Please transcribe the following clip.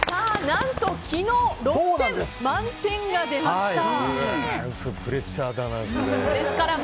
何と、昨日６点満点が出ました。